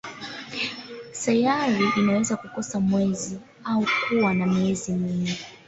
Sayari inaweza kukosa mwezi au kuwa na miezi mingi.